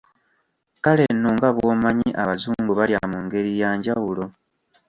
Kale nno nga bw'omanyi abazungu balya mu ngeri ya njawulo.